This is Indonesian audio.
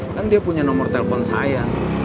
kan dia punya nomor telepon saya